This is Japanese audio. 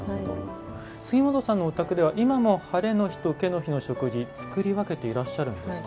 杉本さんのお宅では今でもハレの日とケの日の食事作り分けていらっしゃるんですか。